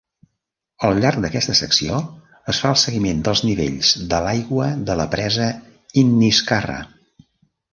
Al llarg d'aquesta secció es fa el seguiment dels nivells de l'aigua de la presa Inniscarra.